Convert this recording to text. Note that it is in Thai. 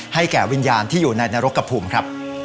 ให้แก่วิญญาณที่อยู่ในนรกกับภูมิ